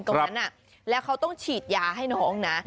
ตรงนั้นแล้วเขาต้องฉีดยาให้น้องนะ